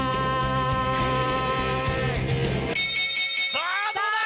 さぁどうだ？